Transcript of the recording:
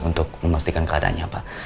untuk memastikan keadaannya pak